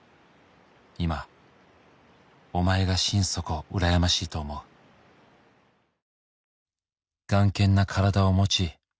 「今お前が心底羨ましいと思う」「頑健な体を持ち」